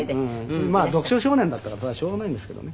まあ読書少年だったからしょうがないんですけどね。